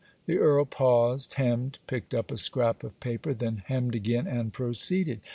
The Earl paused, hemmed, picked up a scrap of paper, then hemmed again, and proceeded.